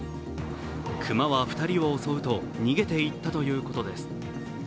熊は２人を襲うと逃げていったということです。